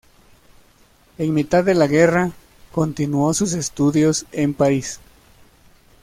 En mitad de la guerra, continuó sus estudios en París.